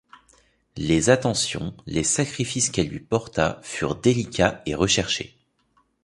Les attentions, les sacrifices qu'elle lui porta furent délicats et recherchés.